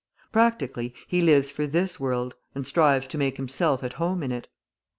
Practically he lives for this world, and strives to make himself at home in it.